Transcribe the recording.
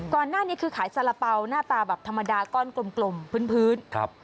ก่อนหน้านี้คือขายสาระเป๋าหน้าตาแบบธรรมดาก้อนกลมพื้น